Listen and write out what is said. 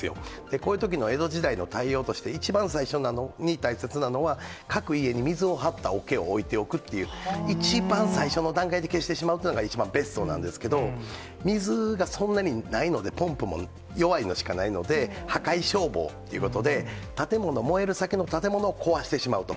こういうときの江戸時代の対応として、一番最初に大切なのは、各家に水を張ったおけを置いておくっていう、一番最初の段階で消してしまうというのが一番ベストなんですけど、水がそんなにないので、ポンプも弱いのしかないので、破壊消防ということで、建物、燃える先の建物を壊してしまうと。